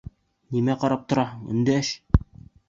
Нимә ҡарап тораһың, өндәш!